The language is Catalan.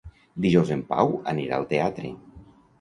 Dijous en Pau anirà al teatre.